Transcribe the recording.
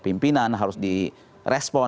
pimpinan harus di respon